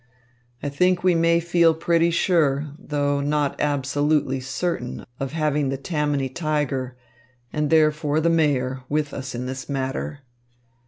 I think we may feel pretty sure, though not absolutely certain, of having the Tammany tiger, and therefore the Mayor, with us in this matter.